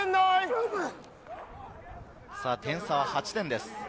点差は８点です。